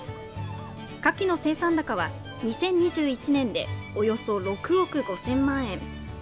カキの生産高は２０２１年でおよそ６億５０００万円。